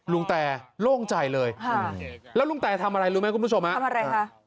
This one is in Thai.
แตโล่งใจเลยแล้วลุงแตทำอะไรรู้ไหมคุณผู้ชมฮะทำอะไรคะ